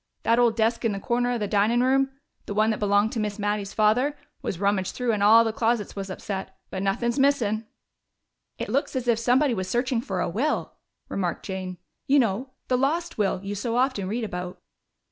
That old desk in the corner of the dinin' room the one that belonged to Miss Mattie's father was rummaged through, and all the closets was upset. But nuthin's missin'!" "It looks as if somebody were searching for a will," remarked Jane. "You know 'the lost will' you so often read about."